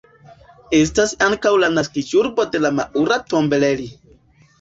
Estas ankaŭ la naskiĝurbo de Maura Tombelli.